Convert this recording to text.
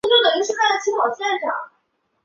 学校还拥有一支足球强队。